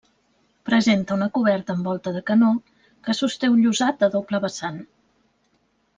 Presenta una coberta en volta de canó que sosté un llosat a doble vessant.